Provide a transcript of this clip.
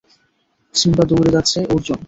Simba দৌড়ে যাচ্ছে, অর্জুন!